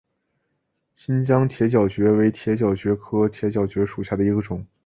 新疆铁角蕨为铁角蕨科铁角蕨属下的一个种。